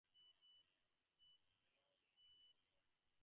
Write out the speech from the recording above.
The album was originally going to be called "Roadworks".